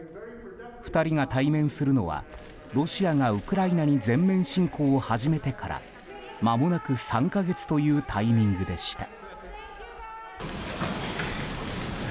２人が対面するのはロシアがウクライナに全面侵攻を始めてからまもなく３か月というタイミングでした。